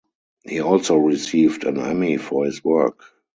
He also received an Emmy for his work.